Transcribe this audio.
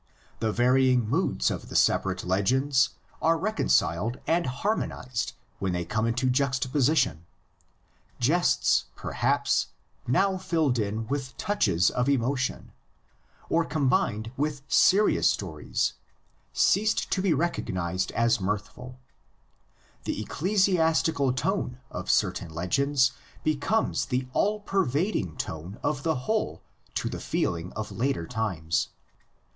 i6i); the vary ing moods of the separate legends are reconciled and harmonised when they come into juxtaposition; jests, perhaps, now filled in with touches of emotion (P 33O1 or combined with serious stories {^Com mentary, p. 158), cease to be recognised as mirthful; THE LA TER COLLECTIONS. 133 the ecclesiastical tone of certain legends becomes the all pervading tone of the whole to the feeling of later times.